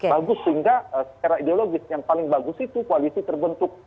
bagus sehingga secara ideologis yang paling bagus itu koalisi terbentuk